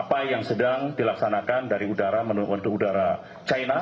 apa yang sedang dilaksanakan dari udara menuju ke udara china